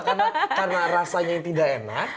kenapa karena rasanya tidak enak